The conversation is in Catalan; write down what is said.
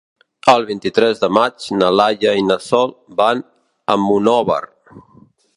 El vint-i-tres de maig na Laia i na Sol van a Monòver.